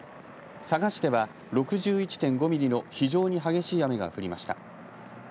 佐賀市では６１．５ミリの非常に激しい雨が降りました。